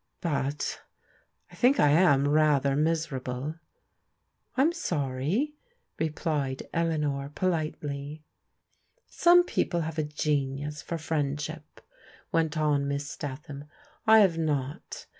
. but ... I think I am rather miserable.'* " I am sorry," replied Eleanor politely. " Some people have a genius for friendship," went on Miss Statham. " I have not.